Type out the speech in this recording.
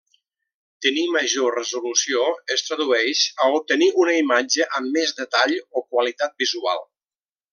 Tenir major resolució es tradueix a obtenir una imatge amb més detall o qualitat visual.